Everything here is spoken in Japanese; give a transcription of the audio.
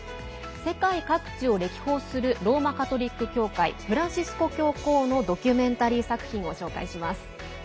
世界各地を歴訪するローマ・カトリック教会フランシスコ教皇のドキュメンタリー作品を紹介します。